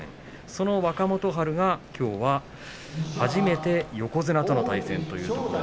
その若元春はきょうは初めて横綱との対戦です。